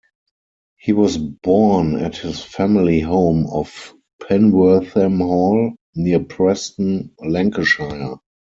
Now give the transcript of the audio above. He was born at his family home of Penwortham Hall, near Preston, Lancashire.